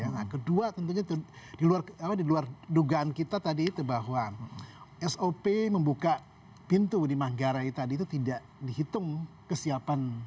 nah kedua tentunya di luar dugaan kita tadi itu bahwa sop membuka pintu di manggarai tadi itu tidak dihitung kesiapan